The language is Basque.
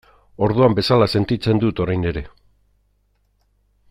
Orduan bezala sentitzen dut orain ere.